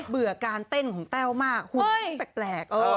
เบื่อการเต้นของแต้วมากหุ่นมันก็แปลก